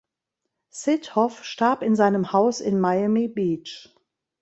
Syd Hoff starb in seinem Haus in Miami Beach.